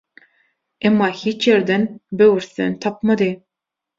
Emma hiç ýerden böwürslen tapmady.